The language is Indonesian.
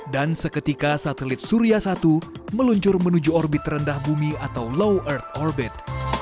dan seketika satelit surya satu meluncur menuju orbit rendah bumi atau low earth orbit